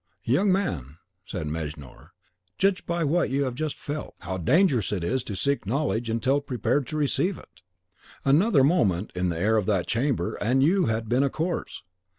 "Young man," said Mejnour, "judge by what you have just felt, how dangerous it is to seek knowledge until prepared to receive it. Another moment in the air of that chamber and you had been a corpse."